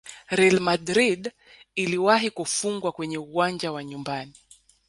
real madrid iliwahi kufungwa kwenye uwanja wa nyumbani